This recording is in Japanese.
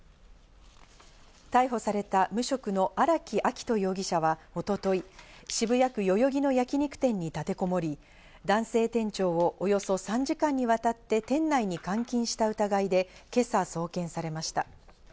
逮捕された無職の荒木秋冬容疑者は一昨日、渋谷区代々木の焼肉店に立てこもり、男性店長をおよそ３時間にわたって店内に監禁した疑いで、今朝、送検されました。